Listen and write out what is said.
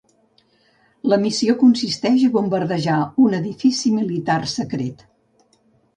La missió consisteix a bombardejar un edifici militar secret.